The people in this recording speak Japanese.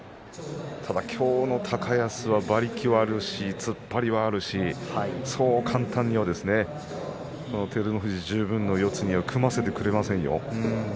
今日の高安は馬力があるし突っ張りがあるしそう簡単には照ノ富士十分な四つには組ませてくれないですよ。